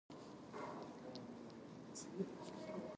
犬は庭で元気に遊んでいます。